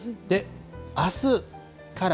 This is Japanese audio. あすから。